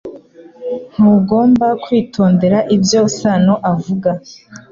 Ntugomba kwitondera ibyo Sano avuga